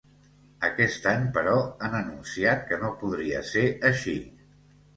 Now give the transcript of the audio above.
Aquest any, però, han anunciat que no podria ser així.